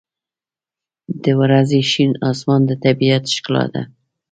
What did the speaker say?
• د ورځې شین آسمان د طبیعت ښکلا ده.